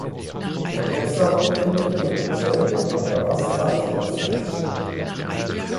Die Entwässerung findet über denselben an der Ostseite des Sees statt.